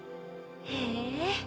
へえ。